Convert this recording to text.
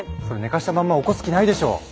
それ寝かしたまんま起こす気ないでしょ？